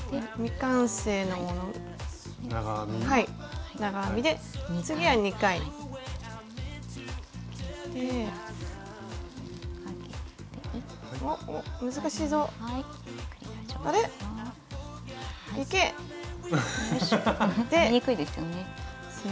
今度は２回ですね。